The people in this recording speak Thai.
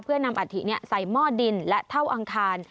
เพื่อนำอัฐิใส่หม้อดินและเท่าอังคาร